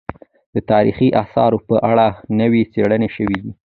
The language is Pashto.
د تاريخي اثارو په اړه نوې څېړنې شوې دي.